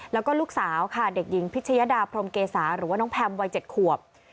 แล้วก็ลูกสาวค่ะเด็กหญิงพิชยดาพรมเกษาหรือว่าน้องแพมวัย๗ขวบ